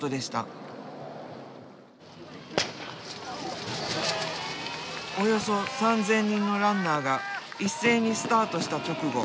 およそ３，０００人のランナーが一斉にスタートした直後。